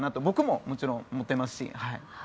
僕も、もちろん思っていますし。